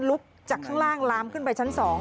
ลุกจากข้างล่างลามขึ้นไปชั้น๒